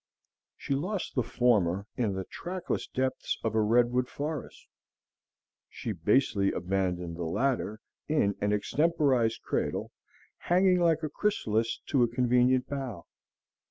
She lost the former in the trackless depths of a redwood forest; she basely abandoned the latter in an extemporized cradle, hanging like a chrysalis to a convenient bough.